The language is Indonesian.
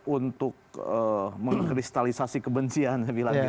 untuk mengkristalisasi kebencian